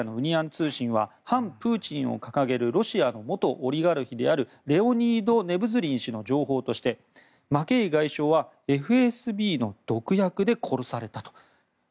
通信は反プーチンを掲げるロシアの元オリガルヒであるレオニード・ネブズリン氏の情報としてマケイ外相はＦＳＢの毒薬で殺されたと。